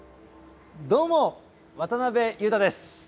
どうも渡辺裕太です。